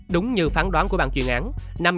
đúng như phán đoán của bàn truyền án